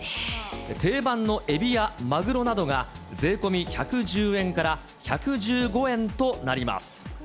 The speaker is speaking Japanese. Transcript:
定番のエビやまぐろなどが税込み１１０円から１１５円となります。